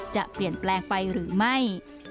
จะเปลี่ยนแปลงไปหรือไม่